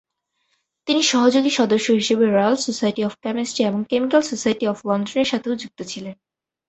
তিনি সহযোগী সদস্য হিসাবে রয়্যাল সোসাইটি অফ কেমিস্ট্রি এবং কেমিক্যাল সোসাইটি অফ লন্ডনের সাথেও যুক্ত ছিলেন।